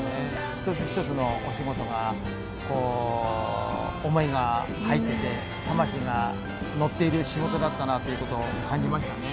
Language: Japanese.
一つ一つのお仕事がこう思いが入ってて魂がのっている仕事だったなということを感じましたね。